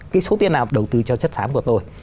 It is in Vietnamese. cái số tiền nào đầu tư cho chất xám của tôi